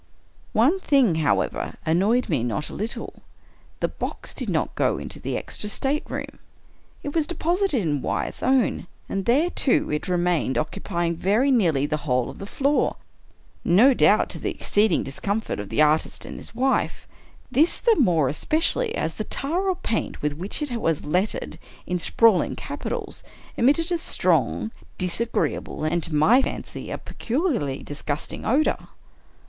One thing, however, annoyed me not a little. The box did not go into the extra stateroom. It was deposited in Wyatt's own; and there, too, it remained, occupying very nearly the whole of the floor — no doubt to the exceeding discomfort of the artist and his wife; — this the more espe cially as the tar or paint with which it was lettered in sprawling capitals, emitted a strong, disagreeable, and to my fancy, a peculiarly disgusting odor.